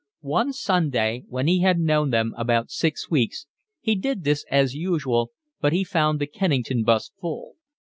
One Sunday, when he had known them about six weeks, he did this as usual, but he found the Kennington 'bus full.